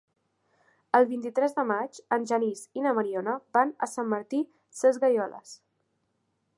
El vint-i-tres de maig en Genís i na Mariona van a Sant Martí Sesgueioles.